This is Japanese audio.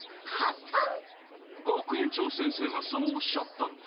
学園長先生がそうおっしゃったんだ。